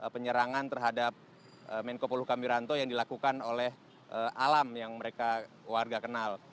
penyerangan terhadap menko poluh kamiranto yang dilakukan oleh alam yang mereka warga kenal